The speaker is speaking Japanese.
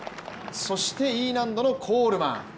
そしてＥ難度のコールマン。